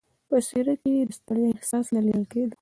په څېره کې یې د ستړیا احساس نه لیدل کېده.